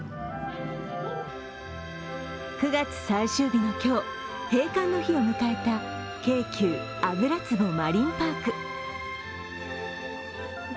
９月最終日の今日、閉館の日を迎えた京急油壺マリンパーク。